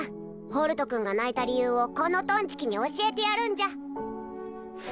ホルト君が泣いた理由をこのトンチキに教えてやるんじゃ